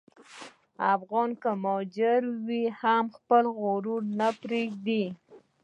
افغان که مهاجر وي، هم خپل غرور نه پرېږدي.